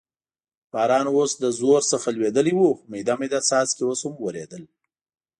باران اوس له زور څخه لوېدلی و، خو مېده مېده څاڅکي اوس هم ورېدل.